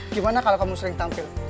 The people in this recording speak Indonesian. gimana kalau kamu sering tampil